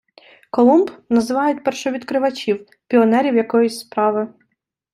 Колумб - називають першовідкривачів, піонерів якоїсь справи